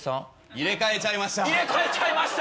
入れ替えちゃいました。